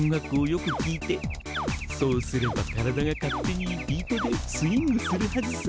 そうすれば体が勝手にビートでスウィングするはずさ！